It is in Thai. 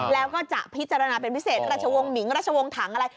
แล้วก็จะพิจารณาเป็นพิเศษราชวงศ์หมิงราชวงศ์ถังอะไร